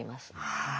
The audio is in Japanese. はい。